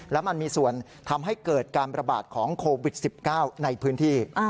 และมันมีส่วนทำให้เกิดการประบาดของโควิด๑๙ในพื้นที่